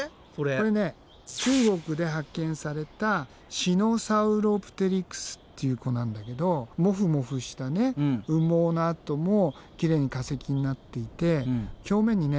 これね中国で発見されたシノサウロプテリクスっていう子なんだけどモフモフした羽毛のあともきれいに化石になっていて表面にね